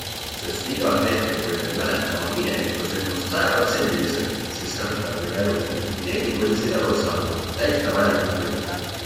Sest igal hetkel kui me ei mäleta oma minevikusündmust sajaprotsendiliselt, siis kasutab meie aju identiteedipõhiseid arusaamu, et täita vajalikud lüngad.